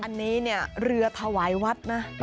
อันนี้เนี่ยเรือถวายวัดนะ